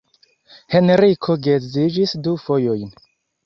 Henriko geedziĝis du fojojn.